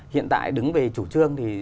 hiện tại đứng về chủ trương thì